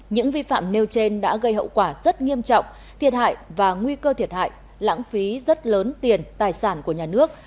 những vi phạm nêu trên đã gây hậu quả rất nghiêm trọng thiệt hại và nguy cơ thiệt hại lãng phí rất lớn tiền tài sản của nhà nước